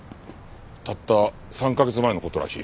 たった３カ月前の事らしい。